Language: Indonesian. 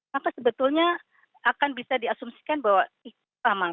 maka sebetulnya akan bisa diasumsikan bahwa itu aman